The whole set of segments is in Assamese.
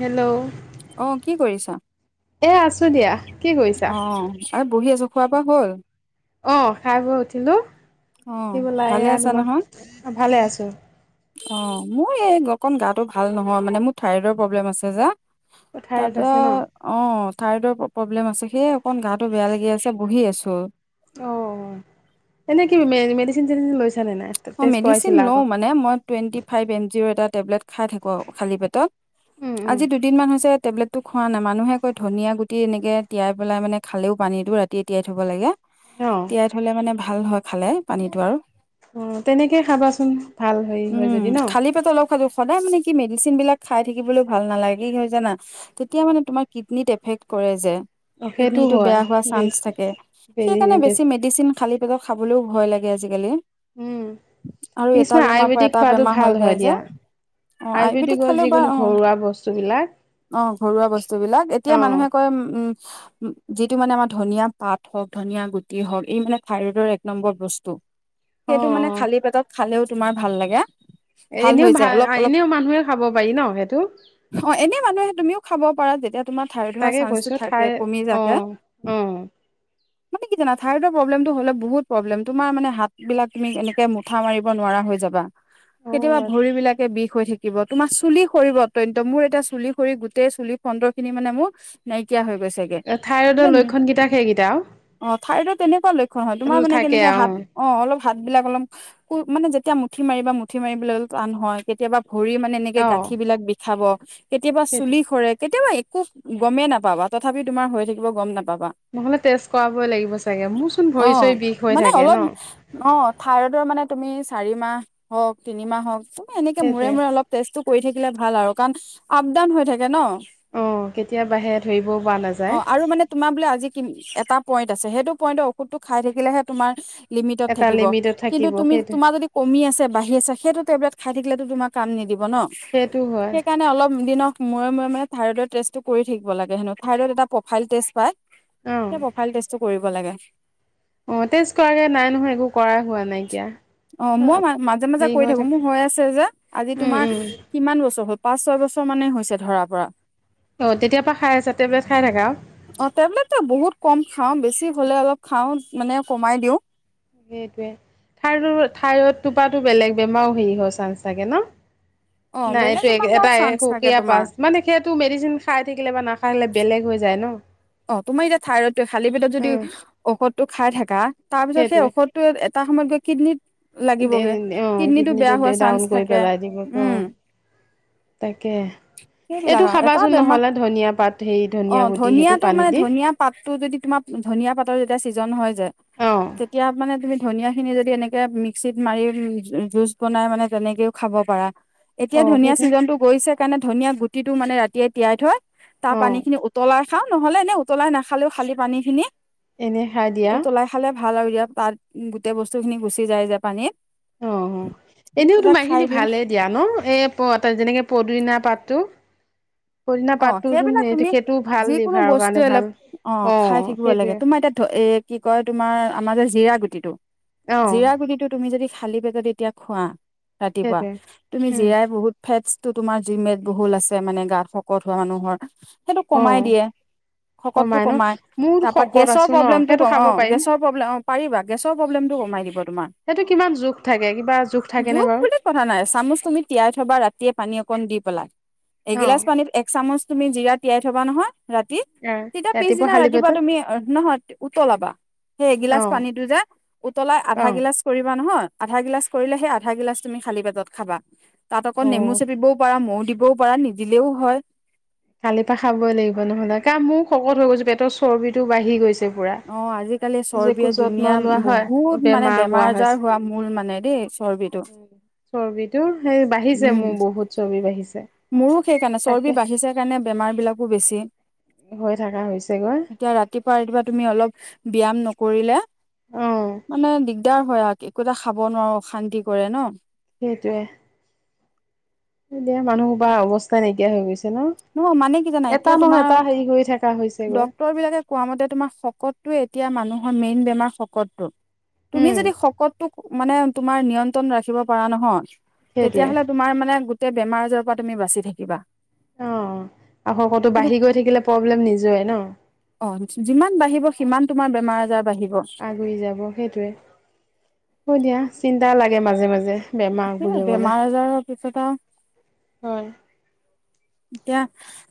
হেল্ল' অ কি এ আছ চ দিয়া কি কৰিছা অঁ। আৰু বহি আছো খোৱা বোৱা হ'ল? অ খাই বৈ উঠিলো। অ উঠিবলা ভালে এয়া তোমাৰ ভালে আছো। অঁ মোৰ এই অকণ গাটো ভাল নহয় মানে মোৰ থাইৰইডৰ প্ৰব্লেম আছে যো। থাইৰড তাৰপা আছে ন অঁ থাইৰডৰ প্ৰব্লেম আছে সেই অকন গাটো বেয়া লাগি আছে বহি আছো। অঁ এনে কি মেডিচিন [unintelligible] অ টেষ্ট মেডিচিন কৰাইছিলা আকৌ লও মানে মই টুৱেন্টি ফাইভ য়ামজ এটা টেবলেট খাই থাকো মানে খালী পেটত উম উম আজি দুদিন মান হৈছে টেবলেটটো খোৱা নাই মানুহে ক ধনা গুটি এনেকে তিয়াইেলাই মানে খালেও পানীটো ৰাতি তিয়াই থব লাগে। অ তিয়াই থলে মানে ভাল হয়। খালে পানীটো আৰু অঁ তেনেকেই খাবাচোন ভাল হেৰি হয় উম, যদি ন। খালী পেটত অলপ খালো সদায় মানে কি মেডিচিন বিলাক খাই থাকিবলৈ ভাল নালাগে কি হয় জানা তেতিয়া মানে তোমাৰ কিডনীত এফেক্ট কৰে যে। অ সেইটো কিডনীটো হয় বেয়া হোৱা চান্স বেছ থাকে সেইকাৰণে বেছ বেছি মেডিচিন খালি [unintelligible] খাবলৈও ভয় লাগে আজিকালি। উম আৰু এটা কিছুমান বেমাৰ পৰা আয়ুৰ্বেদিক এটা খোৱাটো বেমাৰ ভাল হৈ যায় হয় যে দিয়া অ' আয়ুৰ্বেদিক আয়ুৰ্বেদিকৰ খালে বা যিকোনো অ' ঘৰুৱা বস্তুবিলাক অ' ঘৰুৱা বস্তু বিলাক এতিয়া অ মানুহে কয় উম যিটো মানে আমাৰ ধনিয় পাত হওক ধনিয় গুটি হওক এই মানে থাইৰডৰ এক নম্বৰ বস্তু। অ সেইটো মানে খালি পেটত খালেও তোমাৰ ভাল লাগে। এ এনেও হৈ যায় ভাল অলপ অলপ এনেও মানুহে খাব পাৰি ন সেইটো? অ এনেই মানুহে তুমিও খাব [unintelligible] তোমাৰ থাইৰড হোৱা তাকে চান্সটো গৈছো থাকে ঠাই কমি থাকে অঁ অঁ মানে কি জানা থাইৰয়ড প্ৰব্লেমটো হ'লে বহুত প্ৰব্লেম তোমাৰ মানে হাত বিলাক তুমি এনেকে মুঠা মাৰিব নোৱাৰা হৈ যাবা। কেতিয়াবা ভৰিবলাকে বিষ হৈ থাকিব তোমাৰ চুলি সৰিবতয়ন্ত মোৰ এটা চুলি সৰি গোটেই চুলি খন্দৰ খিনি মানে মোৰ নাইকিয়া [unintelligible] হয় গৈছেগে অ থাইৰইডৰ লক্ষণ কেইটা সেইকেইটা অঁ ঠাইডৰ তেনেকুৱা লক্ষণ হয় আৰু তোমাৰ মানে থাকে কেনেকে আৰু হাত অলপ হাতবিলাক অলপ ক মানে যেতিয়া মুঠি মাৰিব বা মুঠি মাৰিবলৈ অ টান হয় কেতিয়াবা ভৰি মানে এনেকে অ গাঁঠি বিলাক বিষাব। [inaudible] কেতিয়াবা সেইটো চুলি সৰে কেতিয়াবা খুব গমেই নাপাবা তথাপি তোমাৰ হৈ থাকিব গম নাপা নহ'লে তেজ কৰাবই লাগিব চাগে মোৰচোন অ ভৰি চৰি বিষ হৈ মানে থাকে অলপ ন অ থাৰডৰ মানে তুমি চাৰি মাহ হওক তিনিমাহ হওক এনেক মৰে সেইটোৱে মৰে অলপ তেষ্টো কৰি থাকিলে ভাল আৰু কাৰণ আপ ডাউন হৈ থাকে ন অ কেতিয়া বাঢ়ে ধৰিবও পৰা নাযায় অ আৰু মানে তোমাৰ বোলে আজি কি এটা পইণ্ট আছে সেইটো পইণ্টৰ ঔষধটো খাই থাকিলেহে তোমাৰ লিমিটত এটা থাকিব। লিমিটত কিন্তু থাকিব তুমি সেইটো তোমাৰ যদি কমি আছে বাঢ়ি আছে সেইটো টেবলেট খাই থাকিলেতো তোমাৰ কাম নিদিব। সেইটো হয় সেইকাৰনে অলপ দিনৰ মূৰে মূৰে থাইৰডৰ টেষ্ট কৰি থাকিব লাগে হেনো থাইৰৰ্ড এটা প্ৰফাইল টেষ্ট পায় অ প্ৰফাইল টেষ্টটো কৰিব কলা [unintelligible] অ টেষ্ট কৰাগে নাই নহয় একো কৰাই হোৱা নাইকিয়া অ মই মাজে মাজে হেৰি কৈ থাকো থাকে মোৰ হৈ আছে যে আজি উম তোমাৰ উম কিমান বছৰ হল। পাঁচ ছয় বছৰ মানে হৈছে ধৰা কৰা। অ তেতিয়াৰ পৰা খাই আছা টেবলেট খাই থাকা অ টেবলেটটো বহুত কম খাওঁ বেছি হ'লে অলপ খাওঁ মানে কমাই দিওঁ সেইটোৱে থাইৰইডটোৰ পৰাটো বেলেগ বেমাৰও হেৰি হয় চাগে ন অ নাই বেলেগ এইটো বেমাৰ হোৱাৰ এটা চান্স থাকে সুকীয়া তোমাৰ পাছ মানে সেইটো মেডিচিন খাই থাকিলে বা নাখ [unintelligible] বেলেগ হৈ যায় ন অ তোমাৰ এতিয়া থাইৰইড খালী পেটত যদি উম ঔষধ তো খাই থাকা- তাৰ পিছত সেই সেইটোৱে ঔষধটো এটা সময়ত গৈ কিডনীত লাগিবগে অ কিডনীটো বেয়া হোৱা চান্স ডাউন কৰি থাকে পেলাই দিব অ উম তাকে এইটো সেইবিলাক আৰু এটা খাবাচোন বেমাৰ নহ'লে ধনিয়া পাত হে অ ধনিয়া গুটি সেইটো ধনিয়াটো পানী মানে দি ধনিয়া পাতটো যদি তোমাৰ ধনিয়া পাতৰ যেতিয়া চিজন হয় যে অ তেতিয়া মানে তুমি ধনিয়া ধনিয়া খিনি যদি এনেকে মিক্সিত মাৰি জুচ বনাই মানে তেনেকেও খাব পাৰা। অ এতিয়া ধুনীয়া সেইটো ছিজনটো গৈছে সেইকাৰণে ধনিয়া গুটিটো মানে ৰাতিয়ে তিয়াই থয় তাৰ অ পানী খিনি উতলা- নহ'লে এনে উতলাই নাখালেও খালি পানী খিনি এনে খাই দিয়া উতলাই খালে ভাল আৰু ইয়াৰ পাত গোটেই বস্তু খিনি গুচি যায় যে পানীত অ এনেও তো তেতিয়া খাই মাহখিনি দিওঁ ভালে দিয়া ন এ যেনেকে পদিনা পাত টো অ সেইবিলাক তুমি যিকোনো লিভাৰৰ বস্তুৱে কাৰণে ভাল। অলপ অ খাই থাকিব লাগে তোমাৰ এতিয়া ধ এ কি কয় তোমাৰ আমাৰ যে জিৰা গুটিটো অ', জিৰা গুটিটো তুমি যদি খালি পেটত এতিয়া খোৱা। ৰাতিপুৱা, সেইটোৱে। তুমি উম, জিৰাই বহুত ফেটচটো তোমাৰ জিমেট বহুল আছে মানে গাত শ [unintelligible] সেইটো কমাই অ', দিয়ে শকতটো ন কমাই মোৰ তাৰ পৰা শকত গেছৰ আছো ন প্ৰব্লেমটো সেইটো খাব অ পাৰিম। গেছৰ প্ৰব্লেম অ পাৰিবা গেছৰ প্ৰব্লেমটো কমাই দিব তোমাৰ, সেইটো কিমান জোখ থাকে কিবা থাকেনে জোখ বাৰু বুলি কথা নাই চামুচ তুমি তিয়াই থবা ৰাতিয়ে পানী অকণ দি পেলা অ', এগিলাচ পানীত এক চামুচ তুমি জিৰা তিয়াই থবা নহয়। ৰাতি অ', তেতিয়া পিছদিনা খালী ৰাতিপুৱা পেটত তুমি নহয় উতলাবা সেই এগিলাচ অ', পানীটো যে উতলাই আধা অ', গিলাচ কৰিবা নহয় আধা গিলাচ কৰিলেহে আধা গিলাচ তুমি খালি পেটত খাবা। তাত অকণ নেমু অ', চেপিবোও পাৰা মৌ দিব ও পাৰা নিদিলেও হয়। কালিৰ পৰা খাবই লাগিব নহ'লে কা মইয়ো শকত হৈ গৈছো পেটৰ চৰ্বিটো বাঢ়ি গৈছে। পুৰা অ আজিকালি যে একো চৰ্বিয়ে যত্ন দুুনীয়া লোৱা বহুত হয় মানে বেমাৰ কৰা আজাৰ হৈছে, হোৱা মূল মানে দেই চৰ্বিটো উম চৰ্বিটো সেই বাঢ়িছে উম মোৰ বহুত চৰ্বি বাঢ়িছে। মোৰো সেইকাৰণে চৰ্বি তাকে। বাঢ়িছে কাৰণে বেমাৰ বিলাকো বেছি। হৈ থকা হৈছেগৈ এতিয়া ৰাতিপুৱা ৰাতিপুৱা তুমি অলপ ব্যায়াম নকৰিলে অ মানে দিগদাৰ হয় আৰু একো এটা খাব নোৱাৰো অশান্তি কৰে ন। সেইটোৱে। দুনীয়াৰ মানুহ সোপা অৱস্থাই নাইকিয়া হৈ গৈছে। মানে কি জানা ন এতিয়া এটা তোমাৰ নহয় এটা হেৰি হৈ থকা হৈছে। ডক্তৰ বিলাকে কোৱা মতে তোমাৰ শকতটোৱে এতিয়া। মানুহৰ মেইন বেমাৰ শকতটো। তুমি উম যদি শকতটোক মানে তোমাৰ নিয়ন্ত্ৰণ ৰাখিব পাৰা নহয়। তেতিয়া সেইটোৱে হ'লে তোমাৰ মানে গো তেই বেমাৰ আজাৰৰ পৰা তুমি বাচি থাকা অ আৰু শকতটো বাঢ়ি গৈ থাকিলে প্ৰব্লেম নি জৰেই ন অ যিমান বাঢ়িব সিমান তোমাৰ বেমাৰ আজাৰ বাঢ়িব আগুৰি যাব সেইটোৱে কৈ দিয়া। চিন্তা লাগে মাজে মাজে। বেমাৰ সেয়া বুলি ক'লে বেমাৰ আজাৰৰ পিছত আৰু। হয় এতিয়া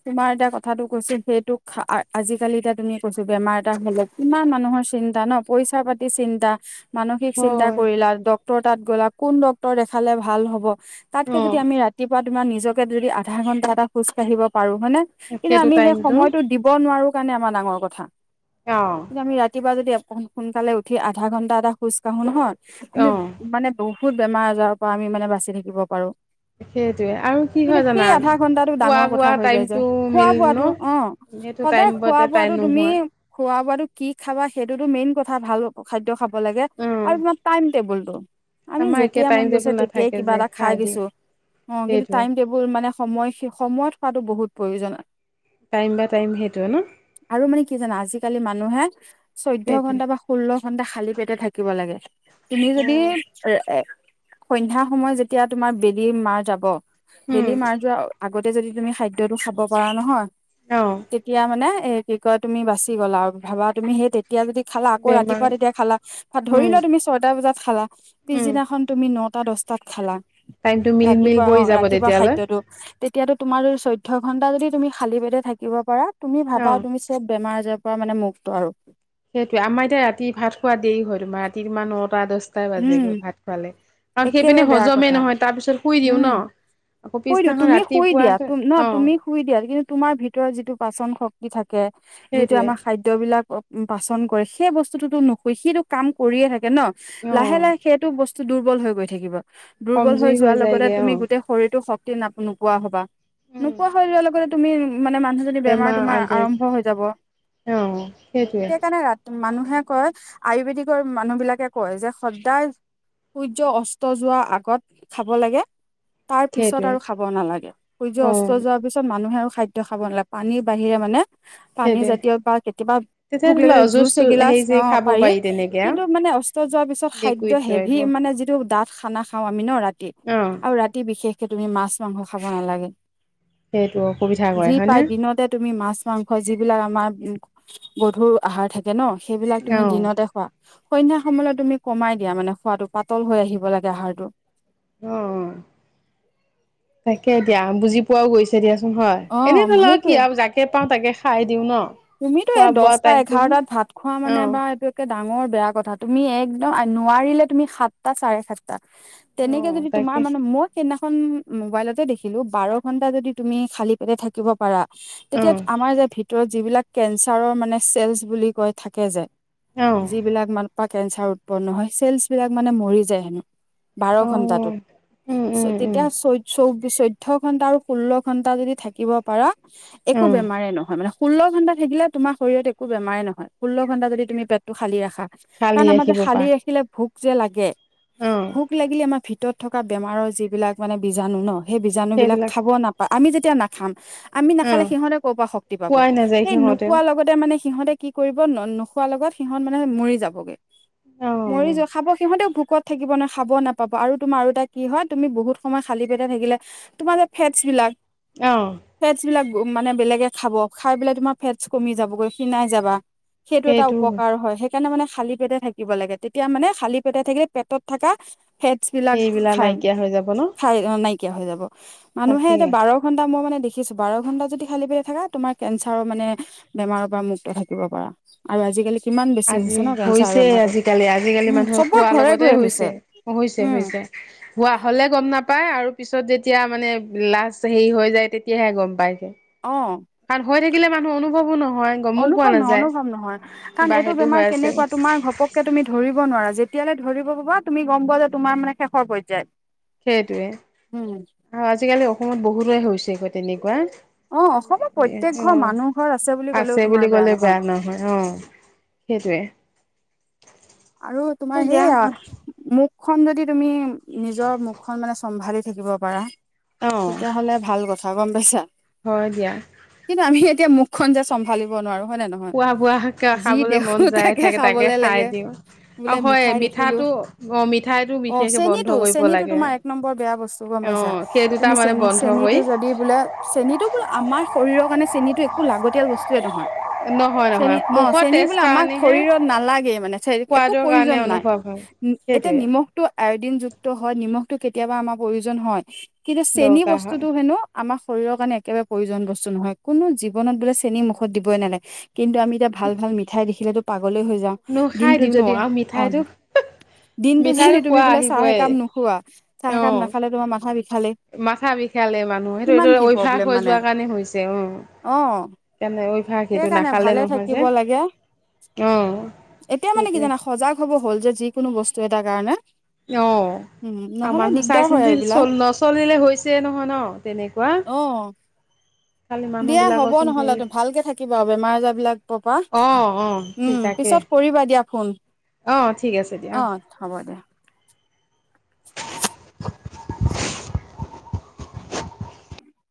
তোমাৰ এতিয়া কথাটো কৈছো সেইটোক আ আজিকালি এতিয়া তুমি কৈছো বেমাৰ এটা হলে কিমান মানুহৰ চিন্তা ন পইচা পাতি চিন্তা। মানসিক চিন্তা হয় কৰিলা ডক্তৰ তাত গ'লা। কোন ডক্তৰ দেখালে ভাল হ'ব। তাতকে অ যদি আমি ৰাতিপুৱা তোমাৰ নিজক যদি আধা ঘণ্টা এটা। খোজ কাঢ়িব পাৰো। হয়নে কিন্তু সেইটো আমি সেই টাইমটো সময়তো দিব নোৱাৰো সেই কাৰণে আমাৰ ডাঙৰ কথা। অ কিন্তু আমি ৰাতিপুৱা যদি এ। সোন সোনকালে উঠি আধা ঘণ্টা এটা খোজকাঢ়ো নহয়। আমি অ মানে বহুত। বহুত বেমাৰ আজাৰৰ পৰা আমি মানে বাচি থাকিব পাৰো। সেইটোৱে আৰু কি কিন্তু হয় সেই জানা। আধা ঘন্টাটো খোৱা ডাঙৰ কথা বোৱা হৈ যায় যে টাইমটো খোৱা মিল ন বোৱাটো অ সেইটো সদায় খোৱা টাইমতে তাই বোৱাটো তুমি। নোহোৱা খোৱা বোৱাটো কি খাবা সেইটোতো মেইন কথা ভাল খাদ্য খাব। লাগে উম আৰু তোমাক টাইম টেবুল। অ। আমি আমাৰ একে যেতিয়াই মন টাইম গৈছে টেবুল তেতিয়াই নাথাকে কিবা যে এটা খাই দিয়ে দিছো অ কিন্তু সেইটোৱে টাইম টেবুল মানে সময়। সময়ত শুৱাটো বহুত প্ৰয়োজন। টাইম বা টাইম সেইটো ন। আৰু মানে কি জানা আজিকালি মানুহে। চৈধ্য সেইটোৱে ঘণ্টা বা ষোল্ল। ঘণ্টা খালী পেটে থাকিব লাগে। তুমি যদি এ এ। সন্ধ্যা সময়ত যেতিয়া তোমাৰ বেলি মাৰ যাব উম বেলি মাৰ মোৱা অ। আগতে যদি তুমি খাদ্যটো খাব পাৰা নহয়। অ তেতিয়া মানে। এ কি কয় তুমি বাচি গ'লা আৰু ভাবা তুমি সেই তে। এতিয়া যদি খালা আকৌ বেমাৰ ৰাতিপুৱা তেতিয়া যদি খালা আকৌ ৰাতিপুৱা যদি খালা বা ধৰি উম লোৱা তুমি ছয়টা বজাত খালা উম পিছদিনাখন তুমি নট। নটা দচটাত খালা। টাইমটো মিল মিল ৰাতিপুৱা অ হৈ যাব ৰাতিপুৱা তেতিয়ালৈ। খাদ্যটো তেতিয়াতো তোমাৰ চৈধ্য ঘণ্টা যদি তুমি খালী পেটে থাকিব পাৰা। তুমি অ ভাবা তুমি চব বেমাৰত। যে তই মানে মুক্ত আৰু, সেইটোয়ে আমাৰ এতিয়া ৰাতি ভাত খোৱা দেৰি হয়, ৰাতি তোমাৰ ৰাতি মানত। টা দশটাই উম বাজেগৈ ভাত খোৱালে, কাৰণ একেবাৰে সেইপিনে বেয়া হজমে কথা নহয় তাৰ পিছত শুই দিওঁ উম ন। আকৌ শুই দি পিছদিনাখন তুমি শুই ৰাতিপুৱা দিয়া ন অ তুমি শুই দিয়া কিন্তু তোমাৰ ভিতৰৰ যিটো পাচন শক্তি দি থাক। কে, যিটো সেইটোৱে আমাৰ খাদ্যবিলাকক উ পাচন কৰে, সেই বস্তুটো টো নোশোৱে, সিটো কাম কৰিয়ে থাকে। ন, অ লাহে লাহে সেইটো বস্তু টো দুৰ্বল হৈ গৈ থাকিব। দুৰ্বল হৈ কমজুৰি যোৱাৰ লগতে যায়গে অ তুমি গোটেই শৰীৰতো শক তি না নোপোৱা হবা, উম নোপোৱাহৈ ৰল লগত তুমি মানে মানুহজনী বেমাৰ তোমাৰ আৰম্ভ হৈ যাব, অ সেইটোৱে সেইকাৰণে ৰাতি মানুহ মানুহে কয় আয়ুৰ্বেদিকৰ মানুহ বিলাকে কয় যে সদায় সূৰ্য অস্ত যোৱাৰ আগত খাব লাগে, তাৰ পিছত সেইটোৱে আৰু খাব নালাগে, সূৰ্য অস্ত অ', যোৱাৰ পিছত মানুহে আও খাদ্য খাব নালাগে, পানীৰ বাহিৰে মানে পানী সেইটোৱে জাতীয় বা কেতিয়াবা তেতিয়া ভোক ধৰি লাগিল লও জুচ জুচটো এগিলাচ হেৰি অ চেৰি খাব পাৰি তেনেকে আও। কিন্তু মানে অস্ত যোৱাৰ পিছত খাদ্য লিকুইডটো হেভি আহিব মানে যিটো দাঁত খানা খাওঁ আমি ন ৰাত ই অ', আৰু ৰাতি বিশেষ কে তুমি মাছ মাংস খাব নালাগে, সেইটো অসুবিধা যি কৰে পাই হয়নে? দিনতে তুমি মাছ মাংস যিবিলাক আমাৰ উম গধুৰ আহাৰ থাকে ন, সেইবিলাক তুমি অ', দিনতে খোৱা সন্ধ্যা সময়লৈ তুমি কমাই দিয়া মানে খোৱাটো পাতল হৈ আহিব লাগে আহাৰটো। অ'। তাকে দিয়া বুজি পোৱাও গৈছে। দিয়াচোন হয় অ এনেই টো ধৰা কি আৰু জাকে পাওঁ তাকে খাই দিওঁ ন, তুমিটো খোৱা এই বোৱা দহটা টাইমটো এঘাৰটাত ভাত খোৱা মানে অ', বা এইতো একে ডাঙৰ বেয়া কথা, তুমি একদম নোৱাৰিলে তুমি সাতটা চাৰে সাতটা তেনেকে অ', যদি তোমাৰ তাকে মানে মই মোবাইলতে দেখিলো বাৰ ঘন্টা যদি তুমি খালি পেটে থাকিব পাৰা তেতিয়া অ', আমাৰ যে ভিত যিবিলাক কেঞ্চাৰৰ মানে চেলচ বুলি কৈ থাকে যে অ', যিবিলাক মান পাক কেঞ্চাৰ উৎপন্ন হয় চেলচছ বিলাক মানে মৰি যায় হেনো। বাৰ অ', ঘন্টাটো উম, উম, উম, তেতিয়া চৈধ চৌ চৈধ্য ঘন্টা আৰু ষোল্ল ঘন্টা যদি থাকিব পাৰা একো অ', বেমাৰে নহয় মানে ষোল্ল ঘণ্টা থাকিলে তোমাৰ শৰীৰত একো বেমাৰে নহয়, ষোল্ল ঘণ্টা যদি তুমি পেটটো খালি ৰাখা। খালি কাৰণ আমাৰ যে ৰাখিব খালি পাৰা ৰাখিলে ভোক যে লাগে। অ', ভোক লাগিলে আমাৰ ভিতৰত থকা বেমাৰৰ যিবিলাক মানে বীজাণু ন সেই বীজাণু বিলাক সেইবিলাক খাব নাপায় আমি যেতিয়া নাখাম আমি নাখালে অ', সিহঁতে ক'ৰ পৰা শক্তি পাব। পোৱাই নাযায় সিহঁতেও নোপোৱাৰ লগতে মানে সিহঁতে কি কৰিব ন- নোখোৱাৰ লগত সিহঁত মানে মৰি যাবগৈ। মৰি অ', যাব খাব সিহঁতেও ভোক ভোকত থাকিব ন খাব নাপাব আৰু তোমাৰ আৰু এটা কি হয় তুমি বহুত সময় খালী পেটে থাকিলে তোমাৰ যে ফেটছ বিলাক অ', ফেটচ্ বিলাক মানে বেলেগে খাব, খাই পেলাই তোমাক ফেটচ কমি যাবগৈ খিনাই যাবা। সেইটো এটা উপকাৰ হয়। সেইকাৰণে মানে খালী পেটে থাকিব লাগে তেতিয়া মানে খালী পেটে থাকিলে পেটত থাকা ফেটছ বিলাক সেইবিলাক খাই, নাইকিয়া হৈ যাব ন খাই [unintelligible] নাইকীয়া হৈ যাব মানুহে তাকে এতিয়া বাৰ ঘন্টা মই মানে দেখিছো বাৰ ঘণ্টা যদি খালী পেটে থাকা তোমাৰ কেঞ্চাৰৰ মানে বেমাৰৰ পৰা মুক্ত থাকিব পাৰা আৰু আজিকালি কিমান বেছি আজি ন কেঞ্চাৰ হৈছে বেমাৰটো আজিকালি আজিকালি উম মানুহৰ চবৰ শুৱোৰ ঘৰে লগতে ঘৰে হৈছে হৈছে উম হৈছে হোৱা হলে গম নাপায় আৰু পিছত যেতিয়া মানে লাষ্ট হেৰি হৈ যায় তেতিয়াহে গম পাই অ নহয় গমো পোৱা অনুভৱ নহয় নাযায় অনুভৱ নহয় বা কাৰণ এইটো সেইটো হৈ বেমাৰ আছে কেনেকুৱা তোমাৰ ঘপককে তুমি ধৰিব নোৱাৰা যে তেতিয়ালৈ ধৰিব পাবা তুমি গম পোৱা যে তোমাৰ মানে শেষ পৰ্যায়ত সেইটোৱে আৰু আজিকালি অসমত বহুত বহুতে হৈছেগৈ তেনেকুৱা অ অসমৰ প্ৰত্যেক অ ঘৰ মানুহ ঘৰ বুলি ক'লেও আছে তোমাৰ বুলি কলে বেয়া নহয় আহ সেইটোৱে আৰু তোমাৰ দিয়া সেইয়া মোক মুখন যদি তুমি নিজৰ মুখখন মানে চম্ভালি থাকিব পাৰা অ তেতিয়াহ'লে ভাল কথা গম পাইছা হয় দিয়া কিন্তু আমি এতিয়া মুখখন যে চম্ভালিব নোৱাৰো হয় নে নহয় খোৱা বোৱাাকে যি খাবলৈ দেখো মন যায় থাকে তাকে খাবলে লাগে খাই দিওঁ আৰু বোলে হয় মিঠাই দেখিলো মিঠাটো অ মিঠাইটো অ বিশেষকে বন্ধ চেনীটো কৰিব চেনীটো লাগে তোমাৰ এক নম্বৰ বেয়া বস্তু গম অ পাইছা সেই দুটা তুমি মানে চেন বন্ধ চেনীটো কৰি যদি বোলে চেনীটো বোলে আমাৰ শৰীৰৰ কাৰে চেনীটো একো লাগতিয়াল বস্তুৱে নহয় নহয় চেনী নহয় অ মুখৰ চেনী টেষ্ট বোলে আমাক কাৰণেহে শৰীৰত নালাগে মানে চ একো সোৱাদৰ কাৰণে প্ৰয়োজন নাই অনুভৱ হয় এতিয়া সেইটোৱে নিমখটো আয়ডিনযুক্ত হয় নিমখটো কেতিয়াবা আমাৰ প্ৰয়োজন হয় কিন্তু চেনী দৰকাৰ হয় বস্তুতটো হেনো আমাৰ শৰীৰৰ কাৰণে একেবাৰে প্ৰয়োজন বস্তু নহয় কোনো জীৱনত বোলে চেননি মুখত দিবই নালাগে কিন্তু আমি এতিয়া ভাল মিঠাই দেখিলেতো পাগলে হৈ যাওঁ নো খাই দিওঁ ন আৰু অ মিঠাইটো দিনতটো যদি মিঠাইটো তুমি খোৱা বোলে চাহ স আহিবই একাম নোখোৱা চাহ অ সকাম নাখালে তোমাৰ ম [unintelligible] মাথা বিষালে মানুহ সেইটো এইটো কি অভ্যাস প্ৰব্লেম হৈ মানে যোৱা কাৰণে হৈছে উ অ কেনে অস সেইকাৰণে ভালে থাকিব লাগে অ এতিয়া মানে কি সেইটোৱে জানে সজাগ হব হ'ল যে যি কোনো বস্তু এটাৰ কাৰণে অ উম আৰু নহলে মানুহ দিগদাৰ চাই হয় চিন্ত এইবিলাক চল নচলিলে হৈছে নহয় ন তেনেকুৱা অ খালি মানুহবিলাকৰচোন হেৰি কিবা বেমাৰ আজাৰ বিলাক পপা, অ', অ', ঠিক উম তাকে পিছত কৰিবা দিয়া ফোন, অ', ঠিক আছে দিয়া অ', হ'ব। [unintelligible]